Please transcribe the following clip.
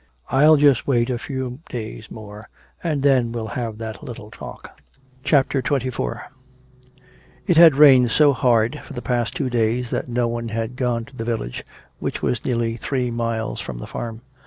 "I'll just wait a few days more, and then we'll have that little talk." CHAPTER XXIV It had rained so hard for the past two days that no one had gone to the village, which was nearly three miles from the farm.